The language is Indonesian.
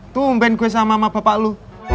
tumben gue sama bapak lo